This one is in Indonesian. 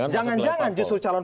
jangan jangan justru calon